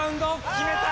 決めた！